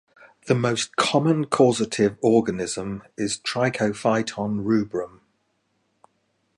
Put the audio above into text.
The most common causative organism is "Trichophyton rubrum".